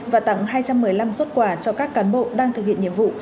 và tặng hai trăm một mươi năm suất quả cho các cán bộ đang thực hiện nhiệm vụ